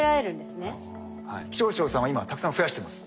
気象庁さんは今たくさん増やしてます。